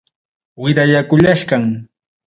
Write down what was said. Wirayakullachkan.